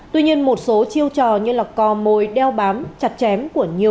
tuy nhiên một số chiêu trò như là cò mồi đeo bám chặt chém của nhiều người